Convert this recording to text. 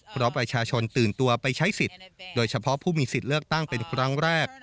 เพราะประชาชนตื่นตัวไปใช้สิทธิ์โดยเฉพาะผู้มีสิทธิ์เลือกตั้งเป็นครั้งแรก